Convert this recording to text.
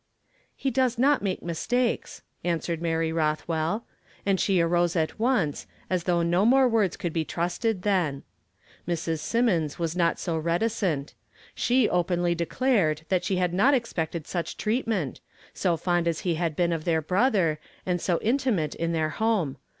" He does not make mistakes," answered Maiy Rothwell; and she arose at once, as though no more words could be trusted then. Mrs. Symonds was not so reticent. ;..• openly declared that she had not expected such treatment, — so fond as he had been of their brother, and so intimate in their home.